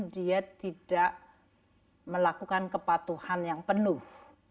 dia tidak melakukan kepatuhan yang penuh